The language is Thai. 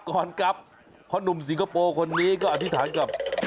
ก่อนกลับเพราะหนุ่มสิงคโปร์คนนี้ก็อธิษฐานกับ